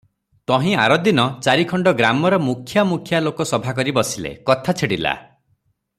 ତହିଁ ଆରଦିନ ଚାରିଖଣ୍ଡ ଗ୍ରାମର ମୁଖ୍ୟା ମୁଖ୍ୟା ଲୋକ ସଭା କରି ବସିଲେ, କଥା ଛିଡ଼ିଲା ।